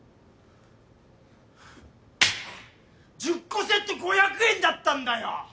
１０個セット５００円だったんだよ！